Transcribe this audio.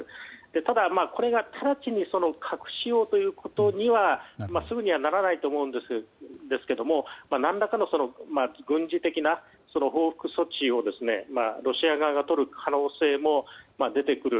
ただ、これが直ちに核使用ということにはすぐにはならないと思うんですが何らかの軍事的な報復措置をロシア側がとる可能性も出てくる。